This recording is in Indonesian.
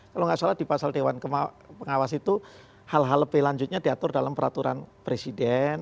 kalau nggak salah di pasal dewan pengawas itu hal hal lebih lanjutnya diatur dalam peraturan presiden